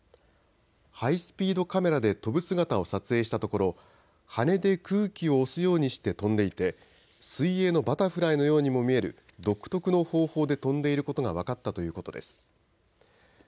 ハイスピードカメラで飛ぶ姿を撮影したところ羽で空気を押すようにして飛んでいて水泳のバタフライのようにも見える独特の方法で飛んでいることが分かったということです。